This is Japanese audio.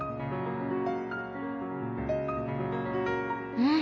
うん。